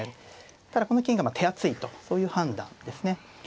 ただこの金がまあ手厚いとそういう判断ですね。